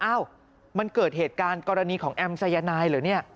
เอ้ามันเกิดเหตุการณ์กรณีของแอมสายนายเหรอเนี่ย